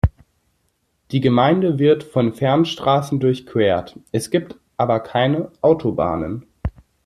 Die Gemeinde wird von Fernstraßen durchquert; es gibt aber keine Autobahnen.